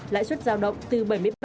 lãi suất giao động từ bảy mươi ba năm